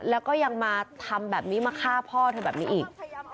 แล้วก็ยังมาทำแบบนี้มาฆ่าพ่อเธอแบบนี้อีก